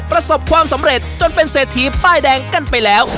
ประสบความสำเร็จจนเป็นเศรษฐีป้ายแดงกันไปแล้ว